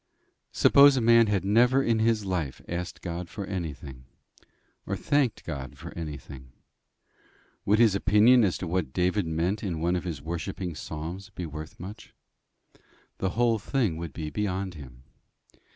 Suppose a man had never in his life asked God for anything, or thanked God for anything, would his opinion as to what David meant in one of his worshipping psalms be worth much? The whole thing would be beyond him.